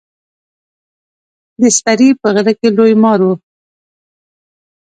د سپرې په غره کښي لوی مار و.